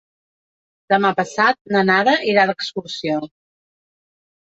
Demà passat na Nara irà d'excursió.